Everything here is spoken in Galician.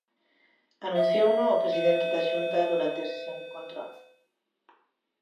Anunciouno o presidente da Xunta durante a sesión de control.